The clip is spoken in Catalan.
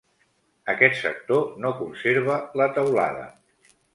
Aquest sector no conserva la teulada.